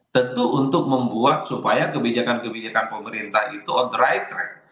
tentu untuk membuat supaya kebijakan kebijakan pemerintah itu on the right track